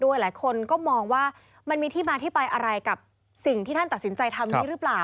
หลายคนก็มองว่ามันมีที่มาที่ไปอะไรกับสิ่งที่ท่านตัดสินใจทำนี้หรือเปล่า